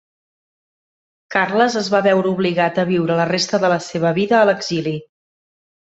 Carles es va veure obligat a viure la resta de la seva vida a l'exili.